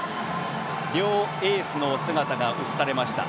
両エースの姿が映されました。